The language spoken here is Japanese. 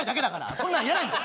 そんなのいらないんだよ！